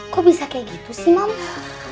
kok bisa kayak gitu sih mama